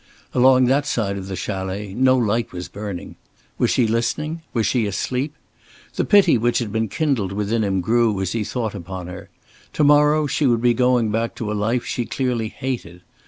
Along that side of the chalet no light was burning. Was she listening? Was she asleep? The pity which had been kindled within him grew as he thought upon her. To morrow she would be going back to a life she clearly hated.